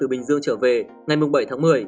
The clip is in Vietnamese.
bình dương trở về ngày bảy tháng một mươi